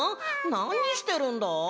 なにしてるんだ？